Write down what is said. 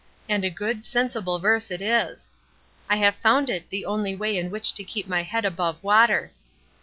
And a good, sensible verse it is. I have found it the only way in which to keep my head above water.